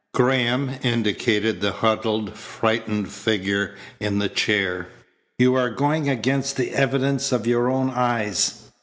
Graham indicated the huddled, frightened figure in the chair. "You are going against the evidence of your own eyes."